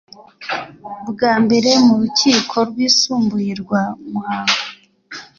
Bwa mbere mu rukiko rwisumbuye rwa Muhanga